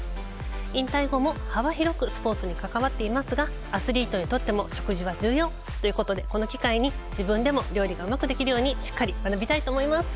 引退後も幅広くスポーツに関わっていますがアスリートにとっても食事は重要ということでこの機会に自分でも料理がうまくできるようにしっかり学びたいと思います。